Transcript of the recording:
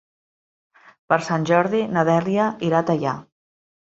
Per Sant Jordi na Dèlia irà a Teià.